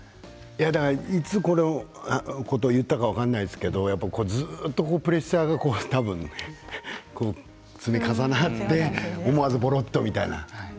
いつこれを、このことを言ったのか分からないですけどずっとプレッシャーが、多分ね積み重なって思わずぽろっとみたいな。